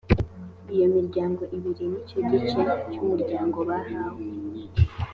iyo miryango ibiri n’icyo gice cy’umuryango bahawe